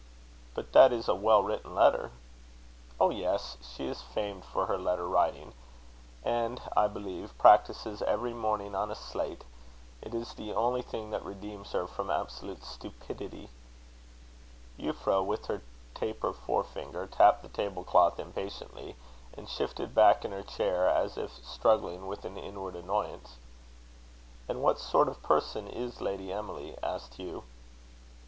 "But that is a well written letter?" "Oh, yes. She is famed for her letter writing; and, I believe, practises every morning on a slate. It is the only thing that redeems her from absolute stupidity." Euphra, with her taper fore finger, tapped the table cloth impatiently, and shifted back in her chair, as if struggling with an inward annoyance. "And what sort of person is Lady Emily?" asked Hugh.